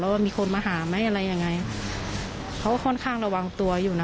ว่ามีคนมาหาไหมอะไรยังไงเขาก็ค่อนข้างระวังตัวอยู่นะ